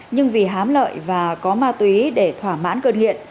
nhưng vì hám lợi và có ma túy để thỏa mãn cơn nghiện